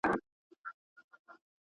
کابل ورانېږي، کندهار ژاړي، زابل ژاړي